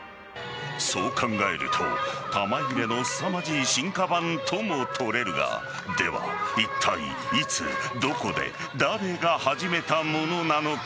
そう考えると玉入れのすさまじい進化版とも取れるがでは、いったいいつどこで誰が始めたものなのか。